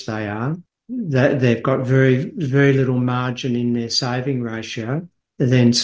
mereka memiliki sangat sedikit margin di rasio penyelamatannya